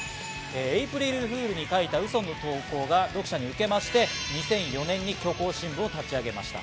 エープリルフールに書いたウソの投稿が読者にウケまして、２００４年に虚構新聞を立ち上げました。